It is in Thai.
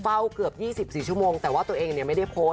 เฝ้าเกือบยี่สิบสิบชั่วโมงแต่ก็กลับจะไม่ได้โพสต์